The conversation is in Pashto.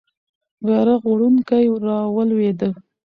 بیرغ وړونکی رالوېده.